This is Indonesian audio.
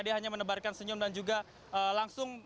dia hanya menebarkan senyum dan juga langsung